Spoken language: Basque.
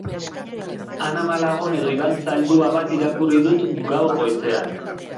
Ana Malagon edo Iban Zaldua bat irakurri dut gaur goizean.